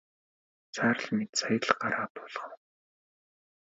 Саарал Минж сая л гараа буулгав.